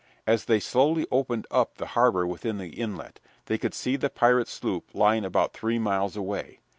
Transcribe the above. As they slowly opened up the harbor within the inlet, they could see the pirate sloop lying about three miles away.